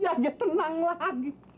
ya aja tenang lagi